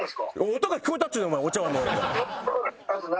音が聞こえたっちゅうねんお茶わんの音お前。